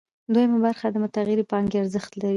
دویمه برخه د متغیرې پانګې ارزښت دی